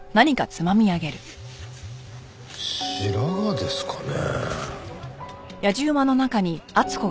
白髪ですかね？